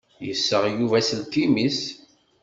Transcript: Yessaɣ Yuba aselkim-is.